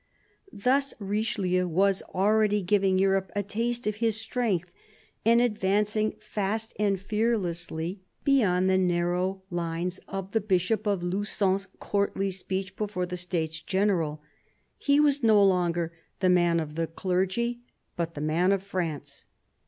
Thus Richelieu was already giving Europe a taste of his strength, and advancing, fast and fearlessly, beyond the 92 CARDINAL DE RICHELIEU narrow lines of the Bishop of Luzon's courtly speech before the States General. He was no longer "the man of the clergy," but " the man of France."